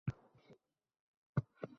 Faqat inson bo`lsang tirik qolmaysan